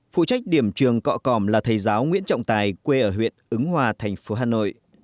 phụ trách điểm trường cọm là thầy giáo nguyễn trọng tài quê ở huyện ứng hòa thành phố hà nội